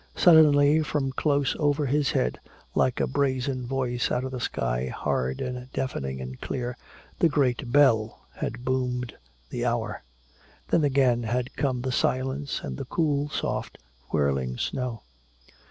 Suddenly from close over his head like a brazen voice out of the sky, hard and deafening and clear, the great bell had boomed the hour. Then again had come the silence, and the cool, soft, whirling snow.